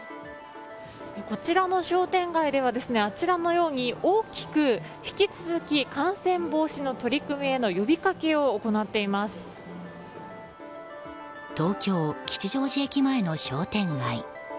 こちらの商店街ではあちらのように大きく、引き続き感染防止の取り組みへの東京・吉祥寺駅前の商店街。